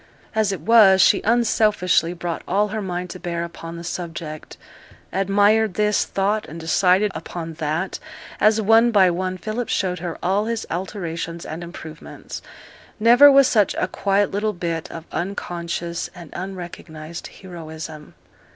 As it was, she unselfishly brought all her mind to bear upon the subject; admired this, thought and decided upon that, as one by one Philip showed her all his alterations and improvements. Never was such a quiet little bit of unconscious and unrecognized heroism.